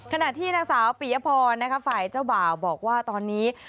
ขณะที่นางสาวปียพรฝ่ายเจ้าบ่าวบอกว่าตอนนี้